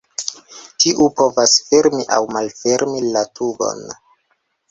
Tiu povas fermi aŭ malfermi la tubon.